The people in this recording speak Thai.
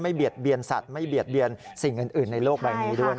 เบียดเบียนสัตว์ไม่เบียดเบียนสิ่งอื่นในโลกใบนี้ด้วย